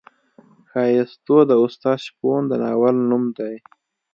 ښایستو د استاد شپون د ناول نوم دی.